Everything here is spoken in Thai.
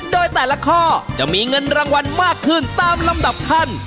โดยแต่ละข้อจะมีเงินรางวัลมากขึ้นตามลำดับขั้น